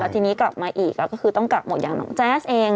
ทีนี้กลับมาอีกก็คือต้องกลับหมดอย่างน้องแจ๊สเอง